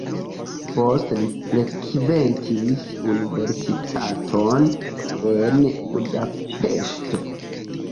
Poste li frekventis universitaton en Budapeŝto.